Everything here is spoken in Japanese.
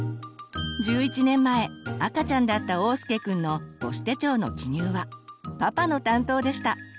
１１年前赤ちゃんだったおうすけくんの母子手帳の記入はパパの担当でした。